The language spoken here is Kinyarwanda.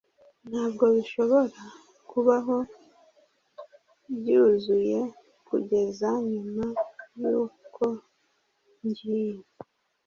ntabwo bishobora kubaho byuzuye kugeza nyuma yuko ngiye